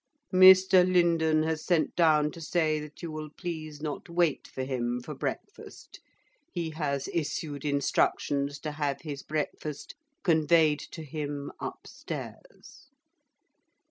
'Mr Lindon has sent down to say that you will please not wait for him for breakfast. He has issued instructions to have his breakfast conveyed to him upstairs.